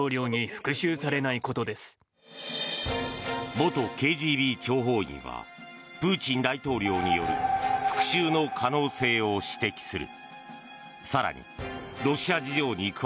元ＫＧＢ諜報員はプーチン大統領による復讐の可能性を指摘する。